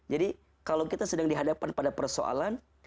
jadi kalau kita sedang dihadapan pada persoalan